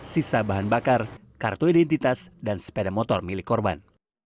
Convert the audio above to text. sisa bahan bakar kartu identitas dan sepeda motor milik korban